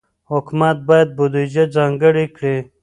حکومت باید بودجه ځانګړې کړي.